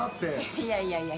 いやいやいや